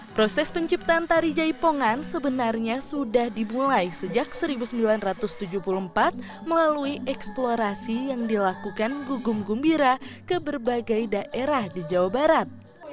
proses penciptaan tari jaipongan sebenarnya sudah dimulai sejak seribu sembilan ratus tujuh puluh empat melalui eksplorasi yang dilakukan gugum gumbira ke berbagai daerah di jawa barat